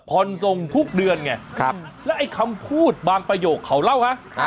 พลทงทุกเดือนไงและคำพูดบางประโยคเขาเล่าค่ะ